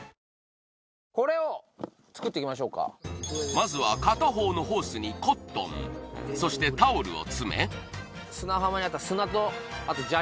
まずは片方のホースにコットンそしてタオルを詰めこれっすね